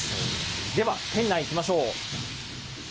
では店内行きましょう。